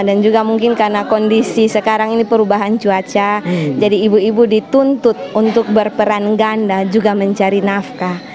dan juga mungkin karena kondisi sekarang ini perubahan cuaca jadi ibu ibu dituntut untuk berperan ganda juga mencari nafkah